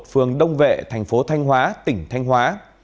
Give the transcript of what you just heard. phường đông vệ thành phố thanh hóa tỉnh thanh hóa